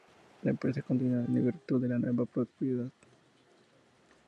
La empresa continúa en virtud de la nueva propiedad.